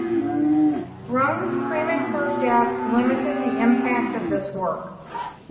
Runge's premature death limited the impact of this work.